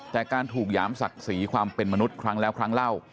แต่การถูกหยามศักดิ์ศรีความเป็นมนุษย์ครั้งแล้วครั้งเล่า